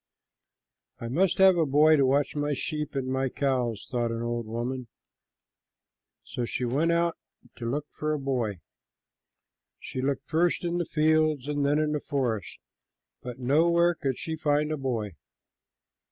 "I must have a boy to watch my sheep and my cows," thought an old woman, and so she went out to look for a boy. She looked first in the fields and then in the forest, but nowhere could she find a boy.